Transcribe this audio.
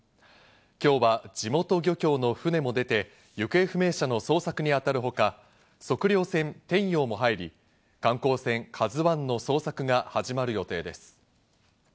今日は地元漁協の船も出て行方不明者の捜索にあたるほか測量船「天洋」も入り、観光船「ＫＡＺＵ１」の捜索が始まる予定です。